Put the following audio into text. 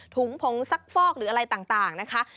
ถุงผงซักฟอกหรืออะไรต่างนะคะ